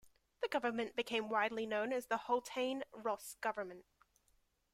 The government became widely known as the Haultain-Ross government.